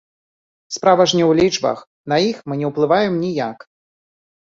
Справа ж не ў лічбах, на іх мы не ўплываем ніяк.